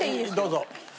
どうぞ。